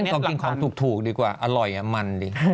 ต้องกินของถูกดีกว่าอร่อยมันดิ